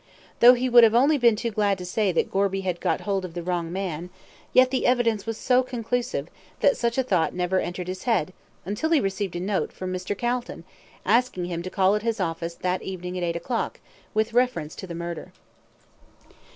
Though he would only have been too glad to say that Gorby had got hold of the wrong man, yet the evidence was so conclusive that such a thought never entered his head until he received a note from Mr. Calton, asking him to call at his office that evening at eight o'clock, with reference to the murder.